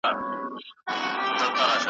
د زړه مېنه مي خالي ده له سروره ,